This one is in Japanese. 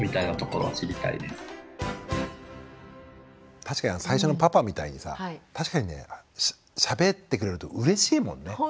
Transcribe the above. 確かに最初のパパみたいにさ確かにねしゃべってくれるとうれしいもんね。